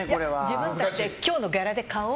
自分たちで今日のギャラで買おう！